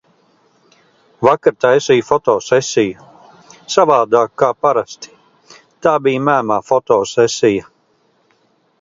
Vakar taisīju fotosesiju. Savādāku kā parasti. Tā bija mēmā fotosesija.